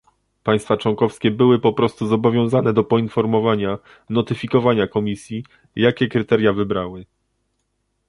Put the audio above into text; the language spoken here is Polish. Państwa członkowskie były po prostu zobowiązane do poinformowania, notyfikowania Komisji, jakie kryteria wybrały